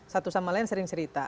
satu sama lain sering cerita